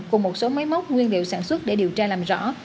cùng một số máy móc nguyên liệu sản xuất để điều tra làm rõ